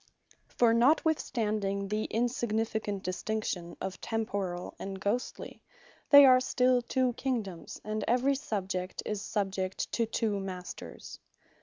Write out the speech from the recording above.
For notwithstanding the insignificant distinction of Temporall, and Ghostly, they are still two Kingdomes, and every Subject is subject to two Masters.